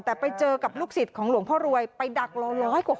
แต่ไปเจอกับลูกศิษย์ของหลวงพ่อรวยไปดักรอร้อยกว่าคน